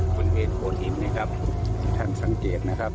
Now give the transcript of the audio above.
บนเพียงโคทินนะครับท่านสังเกตนะครับ